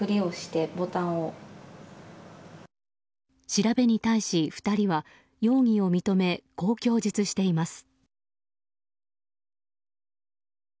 調べに対し２人は容疑を認め、こう供述しています。